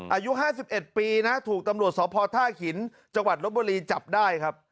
อายุ๕๑ปีนะถูกตำรวจสพท่าหินจังหวัดลบบุรีจับได้ครับ